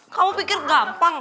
kamu pikir gampang